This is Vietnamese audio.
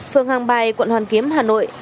phường hàng bài quận hoàn kiếm hà nội